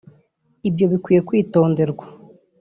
Ibyo bikwiye kwitonderwa